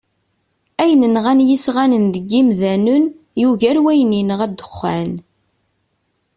Ayen nɣan yisɣanen deg yimdanen yugar wayen yenɣa ddexxan.